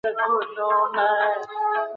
سپين غر د وياړ نښه ده.